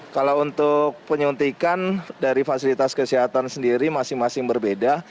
kalau untuk penyuntikan dari fasilitas kesehatan sendiri masing masing berbeda